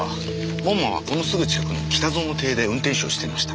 門馬はこのすぐ近くの北薗邸で運転手をしていました。